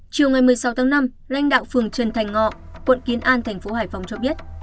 chiều ngày một mươi sáu tháng năm lãnh đạo phường trần thành ngọ quận kiến an thành phố hải phòng cho biết